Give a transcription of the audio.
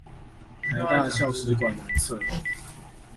臺大校史館南側